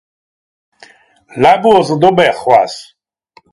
Labour 'zo d'ober c'hoazh.